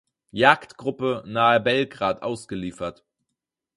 Jagdgruppe nahe Belgrad ausgeliefert.